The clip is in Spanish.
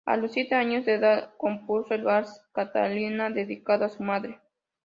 A los siete años de edad, compuso el vals "Catarina", dedicado a su madre.